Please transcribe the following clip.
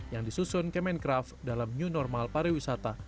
yang disusun ke minecraft dalam new normal pariwisata